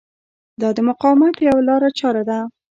دا د مقاومت یوه لارچاره ده.